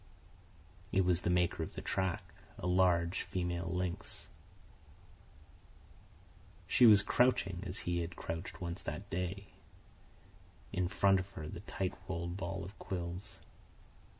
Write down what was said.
It was the maker of the track, a large female lynx. She was crouching as he had crouched once that day, in front of her the tight rolled ball of quills.